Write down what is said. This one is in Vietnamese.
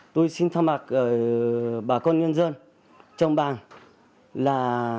tôi xin tham mạc bà con nhân dân trong bàn là